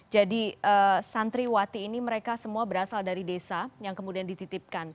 jadi santriwati ini mereka semua berasal dari desa yang kemudian dititipkan